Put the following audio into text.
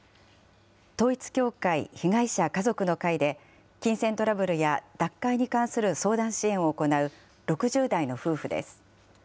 統一教会被害者家族の会で、金銭トラブルや脱会に関する相談支援を行う６０代の夫婦です。